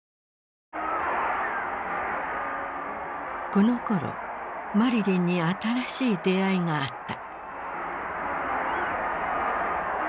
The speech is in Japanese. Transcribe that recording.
このころマリリンに新しい出会いがあった。